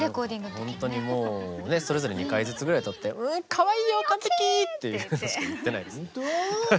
ほんとにもうそれぞれ２回ずつぐらい歌って「かわいいよ完璧！」っていうことしか言ってないです。